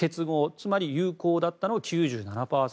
つまり、有効だったのは９７％。